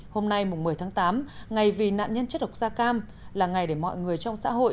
hôm nay một mươi tháng tám ngày vì nạn nhân chất độc da cam là ngày để mọi người trong xã hội